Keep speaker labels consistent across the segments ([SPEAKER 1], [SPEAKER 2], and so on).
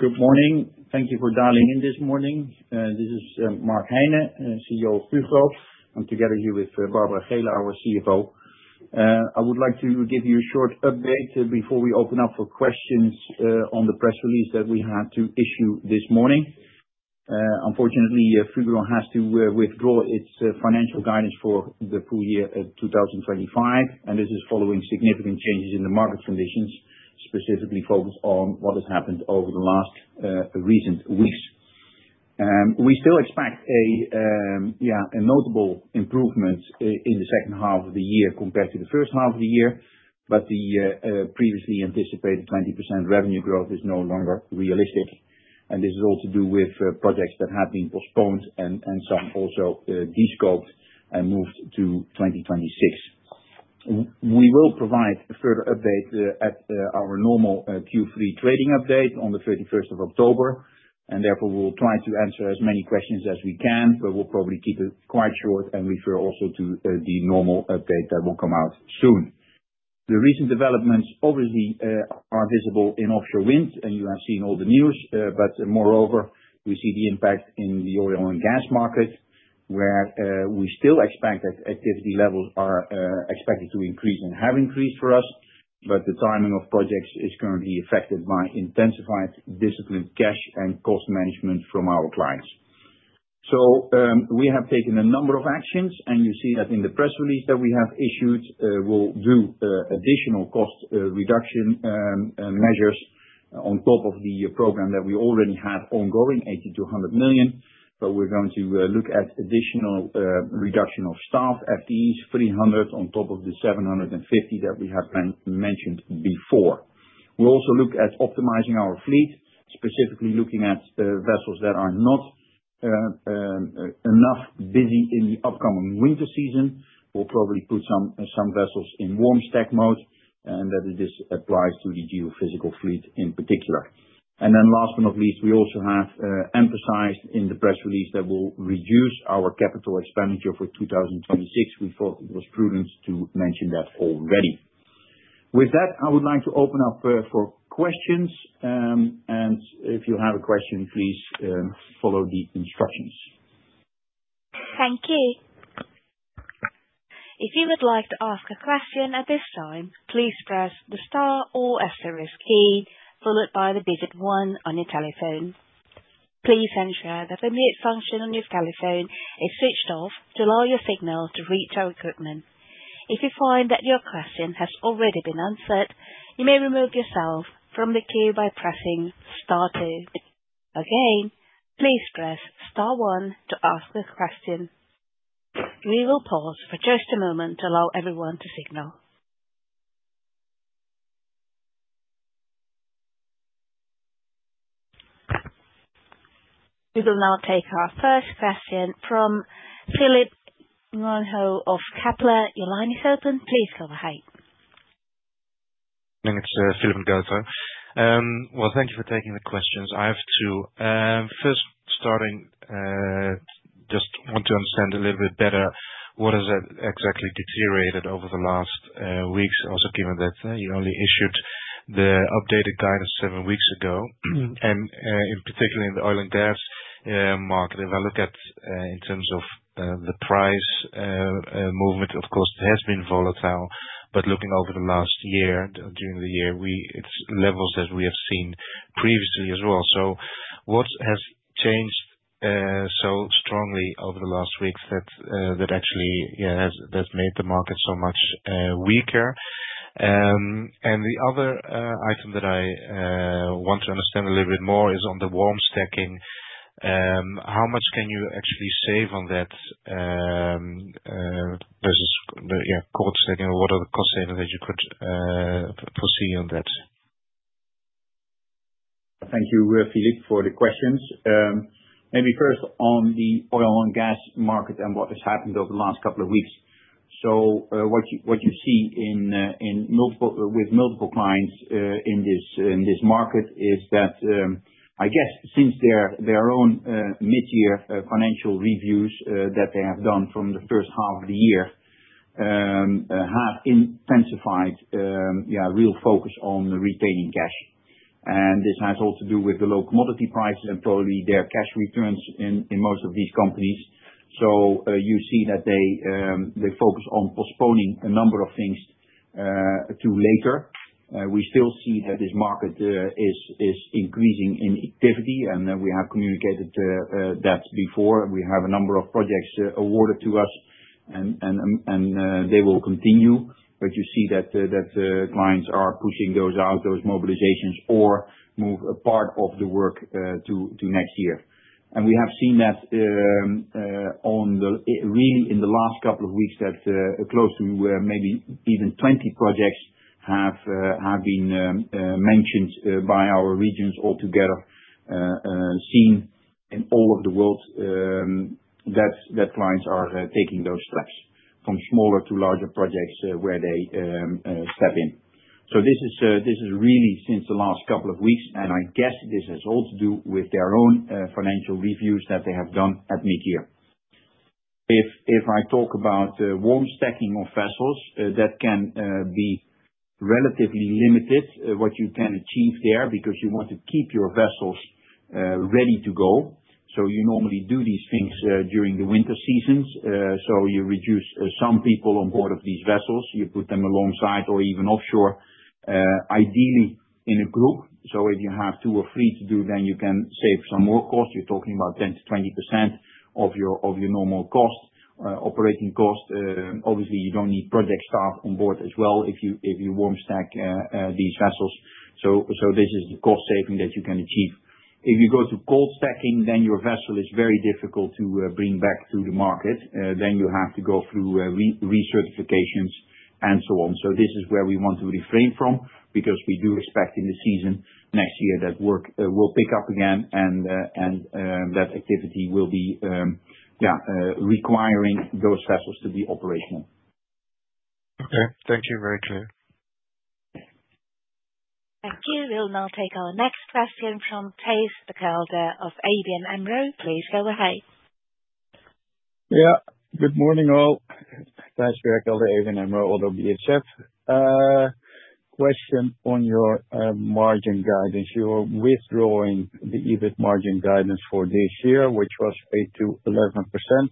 [SPEAKER 1] Good morning. Thank you for dialing in this morning. This is Mark Heine, CEO of Fugro, Mark. I'm together here with Barbara Geelen, our CFO. I would like to give you a short update before we open up for questions on the press release that we had to issue this morning. Unfortunately, Fugro has to withdraw its financial guidance for the full year 2025, and this is following significant changes in the market conditions, specifically focused on what has happened over the last recent weeks. We still expect a notable improvement in the second half of the year compared to the first half of the year, but the previously anticipated 20% revenue growth is no longer realistic, and this is all to do with projects that have been postponed and some also de-scoped and moved to 2026. We will provide a further update at our normal Q3 trading update on the 31st of October, and therefore we'll try to answer as many questions as we can, but we'll probably keep it quite short and refer also to the normal update that will come out soon. The recent developments obviously are visible in offshore wind, and you have seen all the news, but moreover, we see the impact in the oil and gas market, where we still expect that activity levels are expected to increase and have increased for us, but the timing of projects is currently affected by intensified disciplined cash and cost management from our clients. So we have taken a number of actions, and you see that in the press release that we have issued. We'll do additional cost reduction measures on top of the program that we already have ongoing, 80 million-100 million, but we're going to look at additional reduction of staff, FTEs, 300 on top of the 750 that we have mentioned before. We'll also look at optimizing our fleet, specifically looking at vessels that are not enough busy in the upcoming winter season. We'll probably put some vessels in warm stack mode, and that this applies to the geophysical fleet in particular. And then last but not least, we also have emphasized in the press release that we'll reduce our capital expenditure for 2026. We thought it was prudent to mention that already. With that, I would like to open up for questions, and if you have a question, please follow the instructions.
[SPEAKER 2] Thank you. If you would like to ask a question at this time, please press the star or asterisk key followed by the digit one on your telephone. Please ensure that the mute function on your telephone is switched off to allow your signal to reach our equipment. If you find that your question has already been answered, you may remove yourself from the queue by pressing star two. Again, please press star one to ask a question. We will pause for just a moment to allow everyone to signal. We will now take our first question from Philip Ngotho of Kepler. Your line is open. Please go ahead.
[SPEAKER 3] Morning. It's Philip Ngotho. Well, thank you for taking the questions. I have two. First, starting, just want to understand a little bit better what has exactly deteriorated over the last weeks, also given that you only issued the updated guidance seven weeks ago. And in particular, in the oil and gas market, if I look at in terms of the price movement, of course, it has been volatile, but looking over the last year, during the year, it's levels that we have seen previously as well. So what has changed so strongly over the last weeks that actually has made the market so much weaker? And the other item that I want to understand a little bit more is on the warm stacking. How much can you actually save on that versus cold stacking, or what are the cost savings that you could foresee on that?
[SPEAKER 1] Thank you, Philip, for the questions. Maybe first on the oil and gas market and what has happened over the last couple of weeks, so what you see with multiple clients in this market is that, I guess, since their own mid-year financial reviews that they have done from the first half of the year have intensified real focus on retaining cash. And this has all to do with the low commodity prices and probably their cash returns in most of these companies, so you see that they focus on postponing a number of things to later. We still see that this market is increasing in activity, and we have communicated that before. We have a number of projects awarded to us, and they will continue, but you see that clients are pushing those out, those mobilizations, or move a part of the work to next year. We have seen that really in the last couple of weeks that close to maybe even 20 projects have been mentioned by our regions altogether, seen in all of the world that clients are taking those steps from smaller to larger projects where they step in. This is really since the last couple of weeks, and I guess this has all to do with their own financial reviews that they have done at mid-year. If I talk about warm stacking of vessels, that can be relatively limited what you can achieve there because you want to keep your vessels ready to go. You normally do these things during the winter seasons. You reduce some people on board of these vessels. You put them alongside or even offshore, ideally in a group. So if you have two or three to do, then you can save some more cost. You're talking about 10%-20% of your normal cost, operating cost. Obviously, you don't need project staff on board as well if you warm stack these vessels. So this is the cost saving that you can achieve. If you go to cold stacking, then your vessel is very difficult to bring back to the market. Then you have to go through recertifications and so on. So this is where we want to refrain from because we do expect in the season next year that work will pick up again and that activity will be requiring those vessels to be operational.
[SPEAKER 3] Okay. Thank you, very clear.
[SPEAKER 2] Thank you. We'll now take our next question from Thijs Berkelder of ABN AMRO. Please go ahead.
[SPEAKER 4] Yeah. Good morning, all. Thijs Berkelder of ABN AMRO, ODDO BHF. Question on your margin guidance. You are withdrawing the EBIT margin guidance for this year, which was 8%-11%.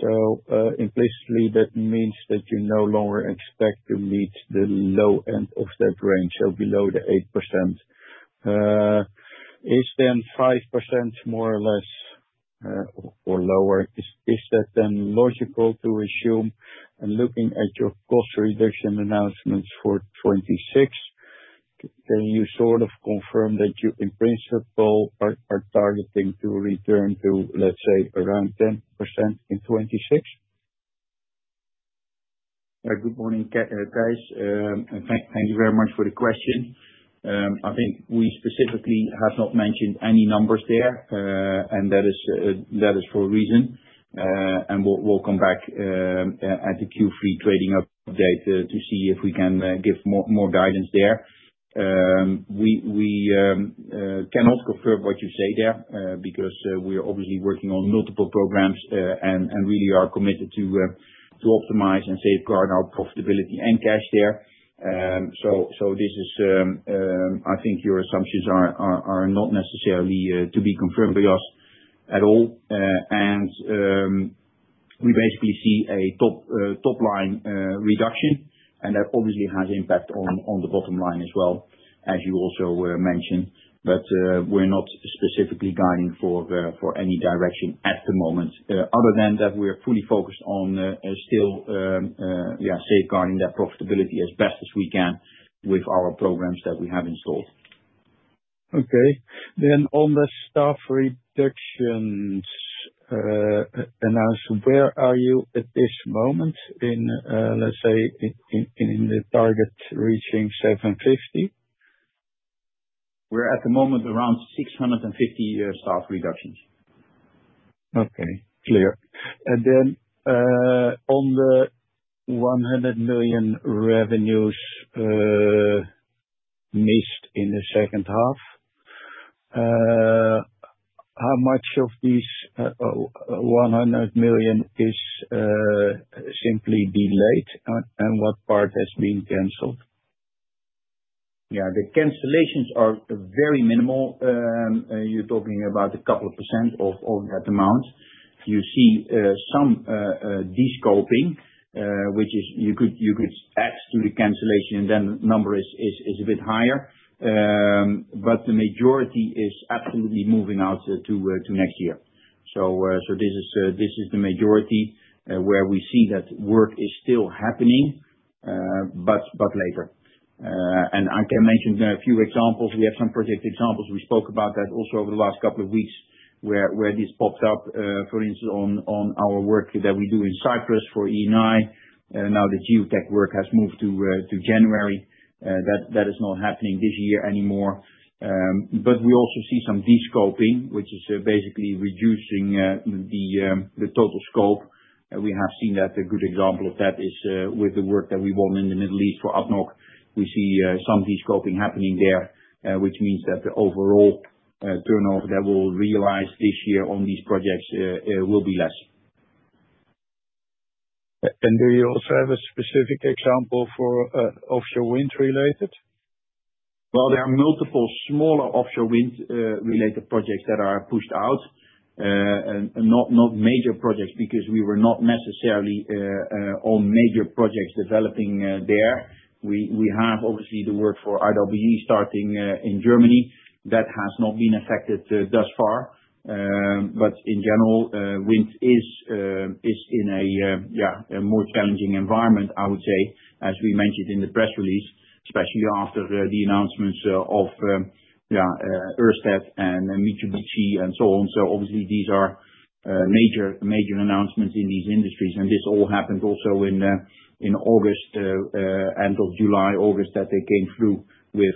[SPEAKER 4] So implicitly, that means that you no longer expect to meet the low end of that range, so below the 8%. Is then 5% more or less or lower, is that then logical to assume? And looking at your cost reduction announcements for 2026, can you sort of confirm that you in principle are targeting to return to, let's say, around 10% in 2026?
[SPEAKER 1] Good morning, Thijs. Thank you very much for the question. I think we specifically have not mentioned any numbers there, and that is for a reason. And we'll come back at the Q3 trading update to see if we can give more guidance there. We cannot confirm what you say there because we are obviously working on multiple programs and really are committed to optimize and safeguard our profitability and cash there. So this is, I think your assumptions are not necessarily to be confirmed by us at all. And we basically see a top-line reduction, and that obviously has impact on the bottom line as well, as you also mentioned. But we're not specifically guiding for any direction at the moment, other than that we're fully focused on still safeguarding that profitability as best as we can with our programs that we have installed.
[SPEAKER 4] Okay. Then on the staff reductions announcement, where are you at this moment in, let's say, in the target reaching 750?
[SPEAKER 1] We're at the moment around 650 staff reductions.
[SPEAKER 4] Okay. Clear. And then on the 100 million revenues missed in the second half, how much of these 100 million is simply delayed, and what part has been canceled?
[SPEAKER 1] Yeah. The cancellations are very minimal. You're talking about a couple of % of that amount. You see some de-scoping, which you could add to the cancellation, and then the number is a bit higher. But the majority is absolutely moving out to next year. So this is the majority where we see that work is still happening, but later. And I can mention a few examples. We have some project examples. We spoke about that also over the last couple of weeks where this popped up, for instance, on our work that we do in Cyprus for Eni. Now the geotech work has moved to January. That is not happening this year anymore. But we also see some de-scoping, which is basically reducing the total scope. We have seen that. A good example of that is with the work that we won in the Middle East for ADNOC. We see some de-scoping happening there, which means that the overall turnover that we'll realize this year on these projects will be less.
[SPEAKER 4] And do you also have a specific example for offshore wind related?
[SPEAKER 1] There are multiple smaller offshore wind-related projects that are pushed out, not major projects because we were not necessarily on major projects developing there. We have obviously the work for RWE starting in Germany. That has not been affected thus far. But in general, wind is in a more challenging environment, I would say, as we mentioned in the press release, especially after the announcements of Ørsted and Mitsubishi and so on. So obviously, these are major announcements in these industries. And this all happened also in August, end of July, August that they came through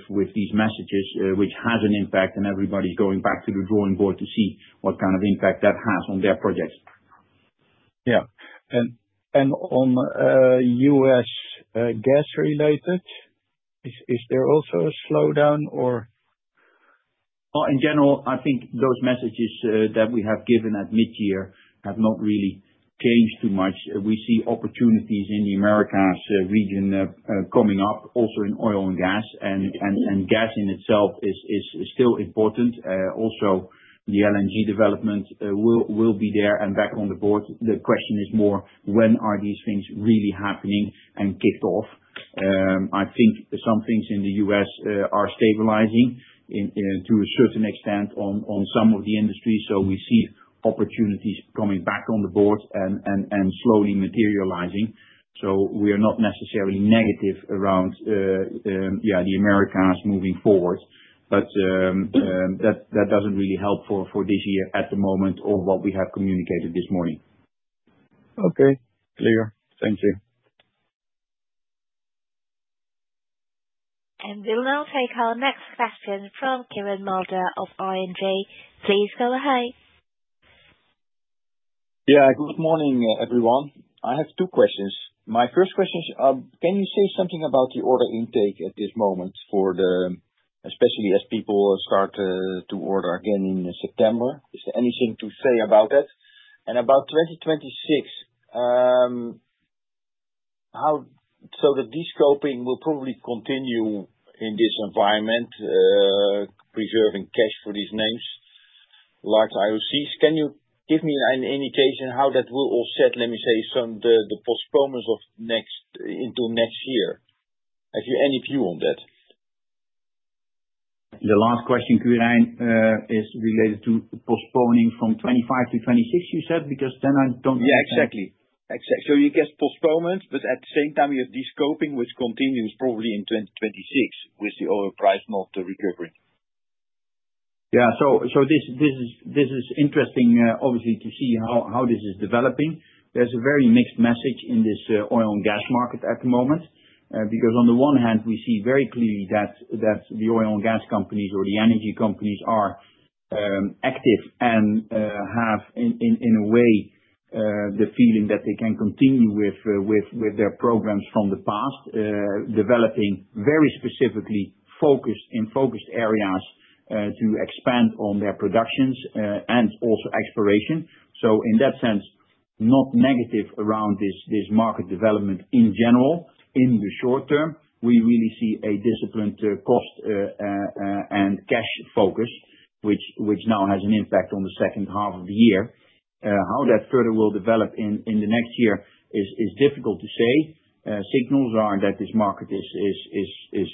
[SPEAKER 1] with these messages, which has an impact, and everybody's going back to the drawing board to see what kind of impact that has on their projects.
[SPEAKER 4] Yeah. And on U.S. gas related, is there also a slowdown or?
[SPEAKER 1] In general, I think those messages that we have given at mid-year have not really changed too much. We see opportunities in the Americas region coming up, also in oil and gas. And gas in itself is still important. Also, the LNG development will be there and back on the board. The question is more, when are these things really happening and kicked off? I think some things in the U.S. are stabilizing to a certain extent on some of the industries. So we see opportunities coming back on the board and slowly materializing. So we are not necessarily negative around the Americas moving forward, but that doesn't really help for this year at the moment or what we have communicated this morning.
[SPEAKER 4] Okay. Clear. Thank you.
[SPEAKER 2] We'll now take our next question from Quirijn Mulder of ING. Please go ahead.
[SPEAKER 5] Yeah. Good morning, everyone. I have two questions. My first question is, can you say something about the order intake at this moment, especially as people start to order again in September? Is there anything to say about that? And about 2026, so the de-scoping will probably continue in this environment, preserving cash for these names, large IOCs. Can you give me an indication how that will offset, let me say, the postponements into next year? Any view on that?
[SPEAKER 1] The last question, Quirijn, is related to postponing from 2025-2026, you said, because then I don't understand.
[SPEAKER 5] Yeah. Exactly. Exactly. So you guess postponement, but at the same time, you have de-scoping, which continues probably in 2026 with the oil price, not the recovery.
[SPEAKER 1] Yeah. So this is interesting, obviously, to see how this is developing. There's a very mixed message in this oil and gas market at the moment because on the one hand, we see very clearly that the oil and gas companies or the energy companies are active and have, in a way, the feeling that they can continue with their programs from the past, developing very specifically in focused areas to expand on their productions and also exploration. So in that sense, not negative around this market development in general. In the short term, we really see a disciplined cost and cash focus, which now has an impact on the second half of the year. How that further will develop in the next year is difficult to say. Signals are that this market is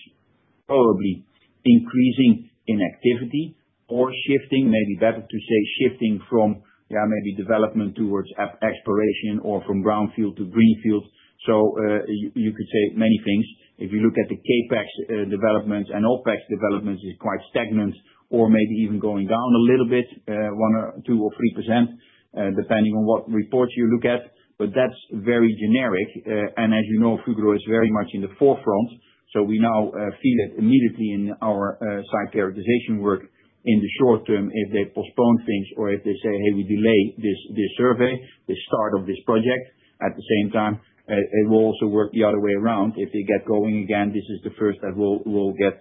[SPEAKER 1] probably increasing in activity or shifting, maybe better to say shifting from maybe development towards exploration or from brownfield to greenfield, so you could say many things. If you look at the CapEx developments and OpEx developments, it's quite stagnant or maybe even going down a little bit, 1%, 2% or 3%, depending on what reports you look at, but that's very generic, and as you know, Fugro is very much in the forefront, so we now feel it immediately in our site characterization work in the short term if they postpone things or if they say, "Hey, we delay this survey, the start of this project." At the same time, it will also work the other way around. If they get going again, this is the first that will get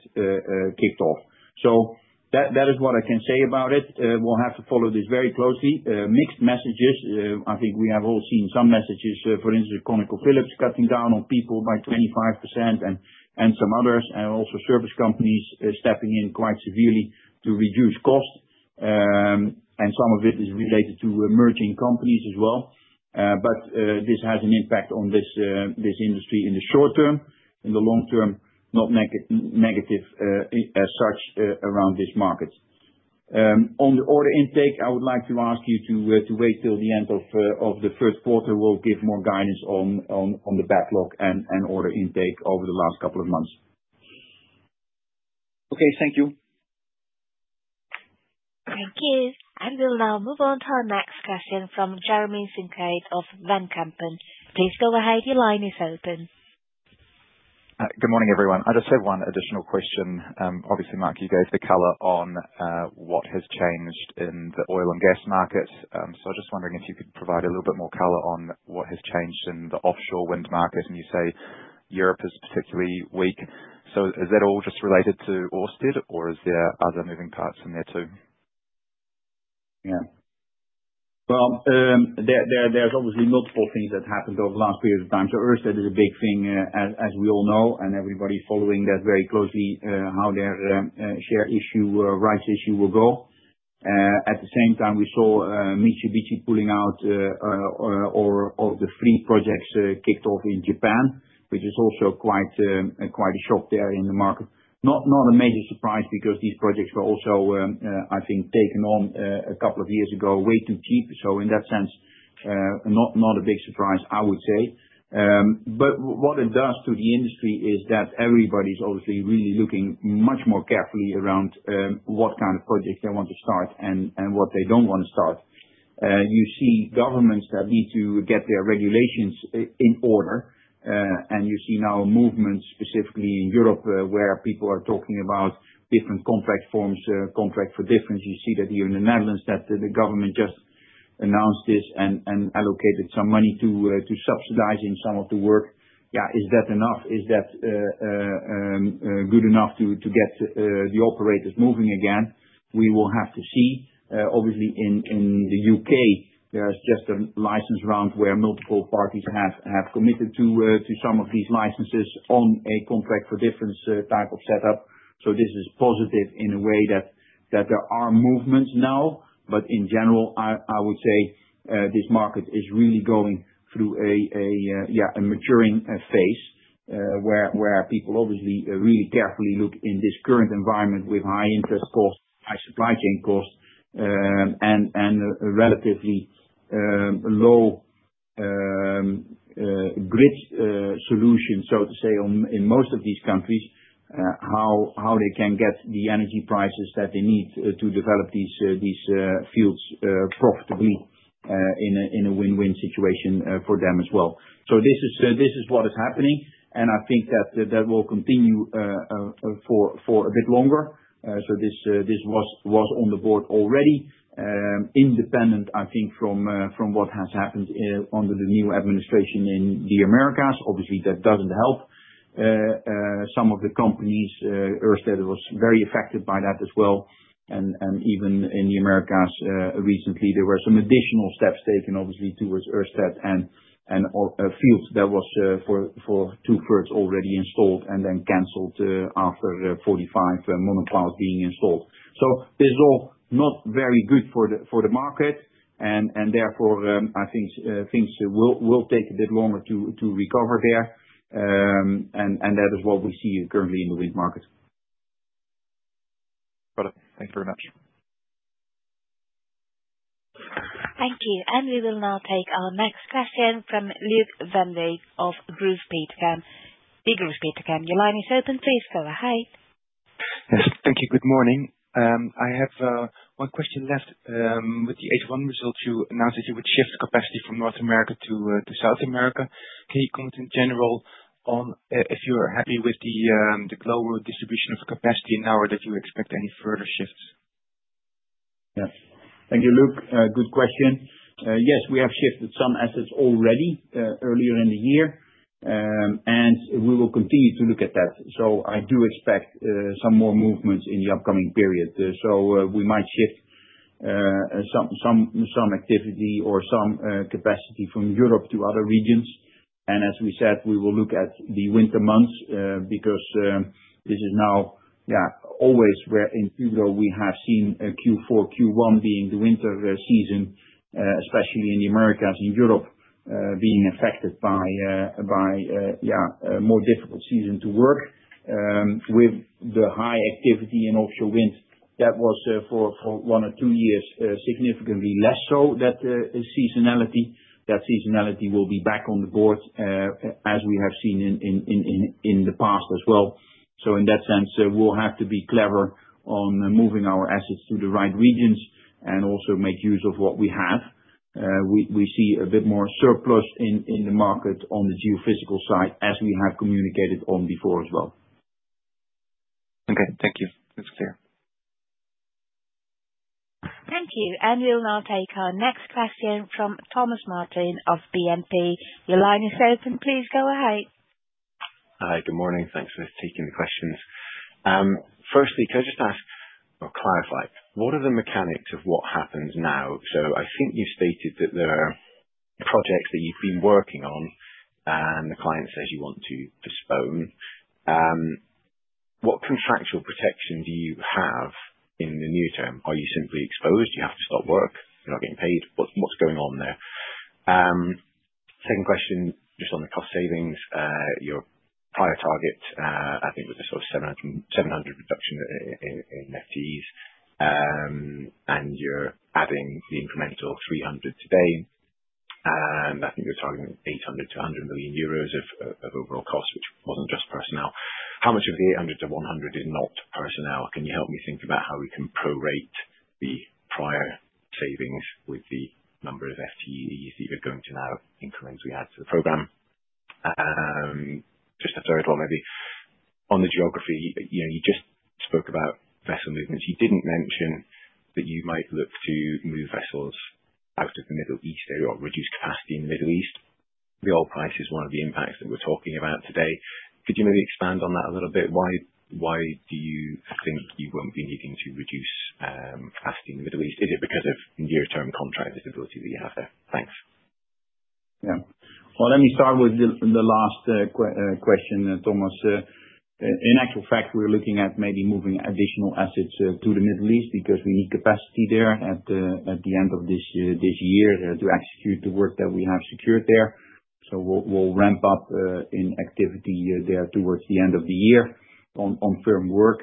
[SPEAKER 1] kicked off, so that is what I can say about it. We'll have to follow this very closely. Mixed messages. I think we have all seen some messages, for instance, ConocoPhillips cutting down on people by 25% and some others, and also service companies stepping in quite severely to reduce cost. And some of it is related to merging companies as well. But this has an impact on this industry in the short term. In the long term, not negative as such around this market. On the order intake, I would like to ask you to wait till the end of the third quarter. We'll give more guidance on the backlog and order intake over the last couple of months.
[SPEAKER 5] Okay. Thank you.
[SPEAKER 2] Thank you. And we'll now move on to our next question from Jeremy Sinclair of Van Lanschot Kempen. Please go ahead. Your line is open. Good morning, everyone. I just have one additional question. Obviously, Mark, you gave the color on what has changed in the oil and gas market. So I'm just wondering if you could provide a little bit more color on what has changed in the offshore wind market. And you say Europe is particularly weak. So is that all just related to Ørsted, or are there moving parts in there too?
[SPEAKER 1] Yeah. Well, there's obviously multiple things that happened over the last period of time. So Ørsted is a big thing, as we all know, and everybody's following that very closely, how their share issue, rights issue will go. At the same time, we saw Mitsubishi pulling out of the fleet projects kicked off in Japan, which is also quite a shock there in the market. Not a major surprise because these projects were also, I think, taken on a couple of years ago, way too cheap. So in that sense, not a big surprise, I would say. But what it does to the industry is that everybody's obviously really looking much more carefully around what kind of projects they want to start and what they don't want to start. You see governments that need to get their regulations in order. And you see now a movement specifically in Europe where people are talking about different contract forms, Contract for Difference. You see that here in the Netherlands, that the government just announced this and allocated some money to subsidizing some of the work. Yeah. Is that enough? Is that good enough to get the operators moving again? We will have to see. Obviously, in the U.K., there is just a license round where multiple parties have committed to some of these licenses on a Contract for Difference type of setup. So this is positive in a way that there are movements now. But in general, I would say this market is really going through a maturing phase where people obviously really carefully look in this current environment with high interest costs, high supply chain costs, and relatively low grid solutions, so to say, in most of these countries, how they can get the energy prices that they need to develop these fields profitably in a win-win situation for them as well. So this is what is happening. And I think that that will continue for a bit longer. So this was on the board already, independent, I think, from what has happened under the new administration in the Americas. Obviously, that doesn't help some of the companies. Ørsted was very affected by that as well. And even in the Americas, recently, there were some additional steps taken, obviously, towards Ørsted and a field that was for two-thirds already installed and then canceled after 45 monopiles being installed. So this is all not very good for the market. And therefore, I think things will take a bit longer to recover there. And that is what we see currently in the wind market. Got it. Thank you very much.
[SPEAKER 2] Thank you. And we will now take our next question from Luuk van Beek of Degroof Petercam. Dear Degroof Petercam, your line is open. Please go ahead.
[SPEAKER 6] Yes. Thank you. Good morning. I have one question left. With the H1 result, you announced that you would shift capacity from North America to South America. Can you comment in general on if you're happy with the global distribution of capacity now or did you expect any further shifts?
[SPEAKER 1] Yes. Thank you, Luuk. Good question. Yes, we have shifted some assets already earlier in the year, and we will continue to look at that. So I do expect some more movements in the upcoming period. So we might shift some activity or some capacity from Europe to other regions. And as we said, we will look at the winter months because this is now, yeah, always where in Fugro we have seen Q4, Q1 being the winter season, especially in the Americas and Europe being affected by, yeah, a more difficult season to work with the high activity in offshore wind. That was for one or two years significantly less so, that seasonality. That seasonality will be back on the board as we have seen in the past as well. So in that sense, we'll have to be clever on moving our assets to the right regions and also make use of what we have. We see a bit more surplus in the market on the geophysical side as we have communicated on before as well.
[SPEAKER 6] Okay. Thank you. That's clear.
[SPEAKER 2] Thank you, and we'll now take our next question from Thomas Martin of BNP. Your line is open. Please go ahead.
[SPEAKER 7] Hi. Good morning. Thanks for taking the questions. Firstly, can I just ask or clarify, what are the mechanics of what happens now? So I think you've stated that there are projects that you've been working on, and the client says you want to postpone. What contractual protection do you have in the near term? Are you simply exposed? Do you have to stop work? You're not getting paid. What's going on there? Second question, just on the cost savings, your prior target, I think, was a sort of 700 reduction in FTEs, and you're adding the incremental 300 today. And I think you're targeting 80-100 million euros of overall cost, which wasn't just personnel. How much of the 80-100 million EUR is not personnel? Can you help me think about how we can prorate the prior savings with the number of FTEs that you're going to now incrementally add to the program? Just a third one, maybe. On the geography, you just spoke about vessel movements. You didn't mention that you might look to move vessels out of the Middle East area or reduce capacity in the Middle East. The oil price is one of the impacts that we're talking about today. Could you maybe expand on that a little bit? Why do you think you won't be needing to reduce capacity in the Middle East? Is it because of near-term contract visibility that you have there? Thanks.
[SPEAKER 1] Yeah. Well, let me start with the last question, Thomas. In actual fact, we're looking at maybe moving additional assets to the Middle East because we need capacity there at the end of this year to execute the work that we have secured there. So we'll ramp up in activity there towards the end of the year on firm work.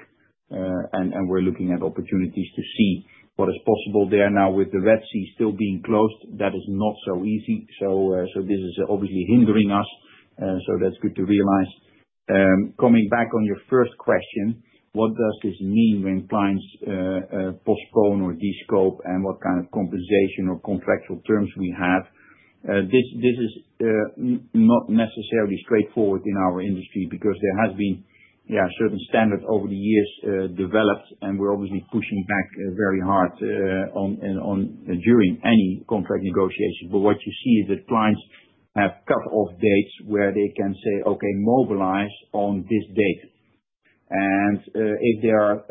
[SPEAKER 1] And we're looking at opportunities to see what is possible there. Now, with the Red Sea still being closed, that is not so easy. So this is obviously hindering us. So that's good to realize. Coming back on your first question, what does this mean when clients postpone or de-scope and what kind of compensation or contractual terms we have? This is not necessarily straightforward in our industry because there has been, yeah, certain standards over the years developed, and we're obviously pushing back very hard during any contract negotiation. But what you see is that clients have cut-off dates where they can say, "Okay, mobilize on this date." And if they are,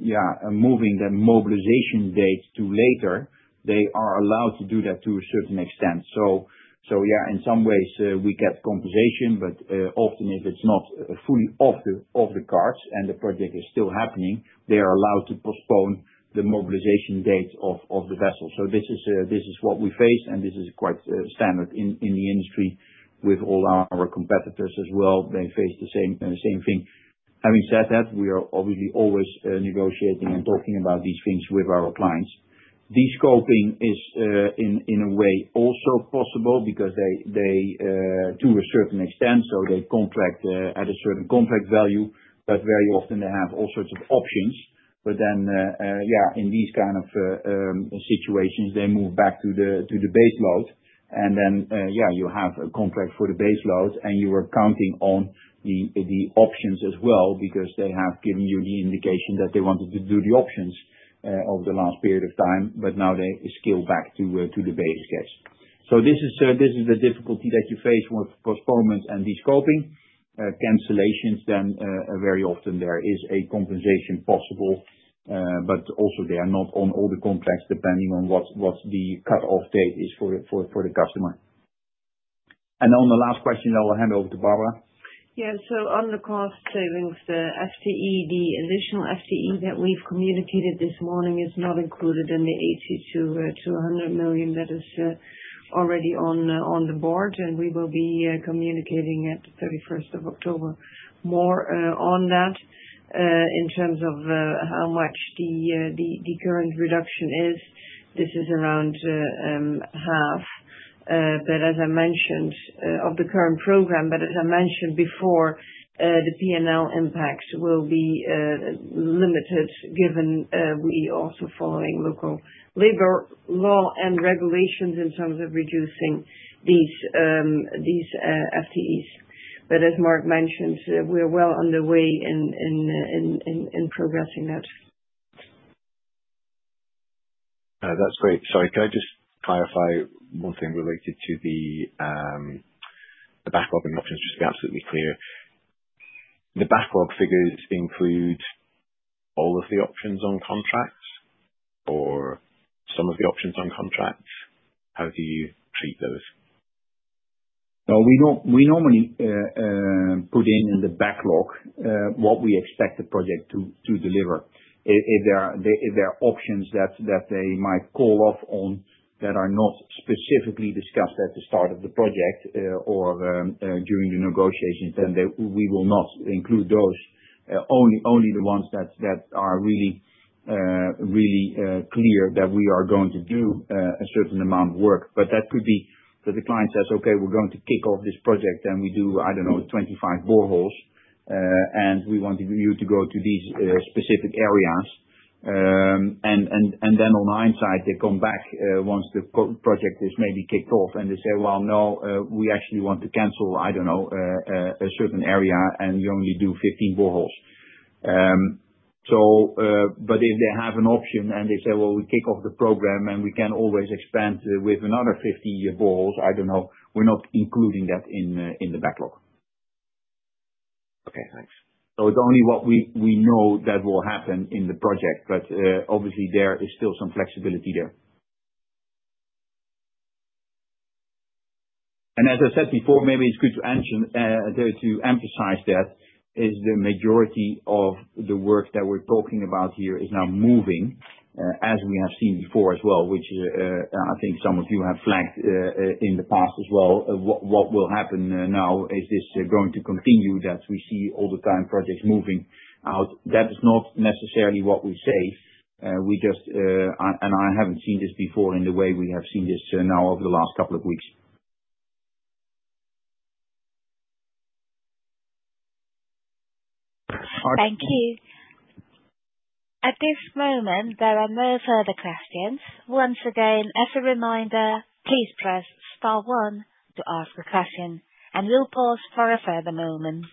[SPEAKER 1] yeah, moving the mobilization date to later, they are allowed to do that to a certain extent. So yeah, in some ways, we get compensation, but often if it's not fully off the table and the project is still happening, they are allowed to postpone the mobilization date of the vessel. So this is what we face, and this is quite standard in the industry with all our competitors as well. They face the same thing. Having said that, we are obviously always negotiating and talking about these things with our clients. De-scoping is, in a way, also possible to a certain extent. So they contract at a certain contract value, but very often they have all sorts of options. But then, yeah, in these kind of situations, they move back to the base load. And then, yeah, you have a contract for the base load, and you are counting on the options as well because they have given you the indication that they wanted to do the options over the last period of time, but now they scale back to the base case. So this is the difficulty that you face with postponements and de-scoping. Cancellations, then very often there is a compensation possible, but also they are not on all the contracts depending on what the cut-off date is for the customer. And on the last question, I will hand over to Barbara.
[SPEAKER 8] Yeah. So on the cost savings, the additional FTE that we've communicated this morning is not included in the 80 million-100 million that is already on the board. And we will be communicating at the 31st of October more on that in terms of how much the current reduction is. This is around half, but as I mentioned, of the current program. But as I mentioned before, the P&L impacts will be limited given we are also following local labor law and regulations in terms of reducing these FTEs. But as Mark Heine mentioned, we're well on the way in progressing that.
[SPEAKER 7] That's great. Sorry. Can I just clarify one thing related to the backlog and the options? Just to be absolutely clear, the backlog figures include all of the options on contracts or some of the options on contracts? How do you treat those?
[SPEAKER 1] We normally put in the backlog what we expect the project to deliver. If there are options that they might call off on that are not specifically discussed at the start of the project or during the negotiations, then we will not include those. Only the ones that are really clear that we are going to do a certain amount of work. But that could be that the client says, "Okay, we're going to kick off this project," and we do, I don't know, 25 boreholes, and we want you to go to these specific areas. And then in hindsight, they come back once the project is maybe kicked off, and they say, "Well, no, we actually want to cancel, I don't know, a certain area, and you only do 15 boreholes." But if they have an option and they say, "Well, we kick off the program and we can always expand with another 50 boreholes," I don't know, we're not including that in the backlog.
[SPEAKER 7] Okay. Thanks.
[SPEAKER 1] So it's only what we know that will happen in the project, but obviously, there is still some flexibility there. And as I said before, maybe it's good to emphasize that the majority of the work that we're talking about here is now moving, as we have seen before as well, which I think some of you have flagged in the past as well. What will happen now? Is this going to continue that we see all the time projects moving out? That is not necessarily what we say. And I haven't seen this before in the way we have seen this now over the last couple of weeks.
[SPEAKER 2] Thank you. At this moment, there are no further questions. Once again, as a reminder, please press star one to ask a question, and we'll pause for a further moment.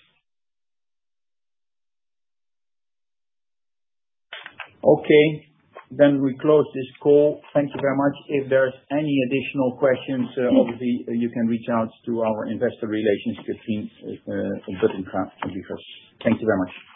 [SPEAKER 1] Okay. Then we close this call. Thank you very much. If there's any additional questions, obviously, you can reach out to our investor relations team at Catrien van Buttingha Wichers. Thank you very much.